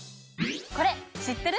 これ知ってる？